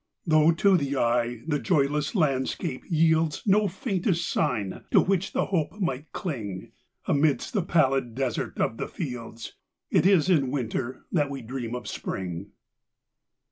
Though, to the eye, the joyless landscape yieldsNo faintest sign to which the hope might cling,—Amidst the pallid desert of the fields,—It is in Winter that we dream of Spring.